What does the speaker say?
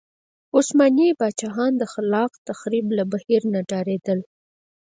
عثماني پاچاهان د خلاق تخریب له بهیره ډارېدل.